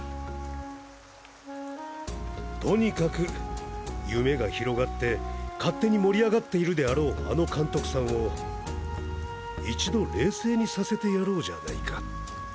とにかく夢が広がって勝手に盛り上がっているであろうあの監督さんを一度冷静にさせてやろうじゃないか。